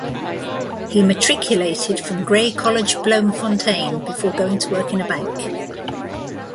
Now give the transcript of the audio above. He matriculated from Grey College, Bloemfontein before going to work in a bank.